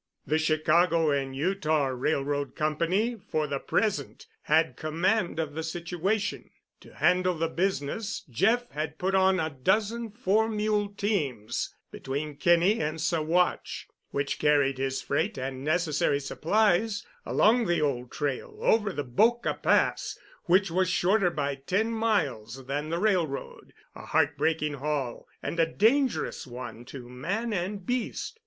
The Chicago and Utah Railroad Company for the present had command of the situation. To handle the business Jeff had put on a dozen four mule teams between Kinney and Saguache, which carried his freight and necessary supplies along the old trail over the Boca Pass, which was shorter by ten miles than the railroad, a heart breaking haul and a dangerous one to man and beast.